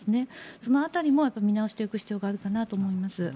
その辺りも見直していく必要があるかと思います。